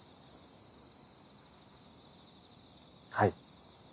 はい。